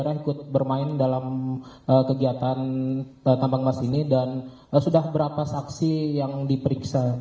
pernah ikut bermain dalam kegiatan tambang emas ini dan sudah berapa saksi yang diperiksa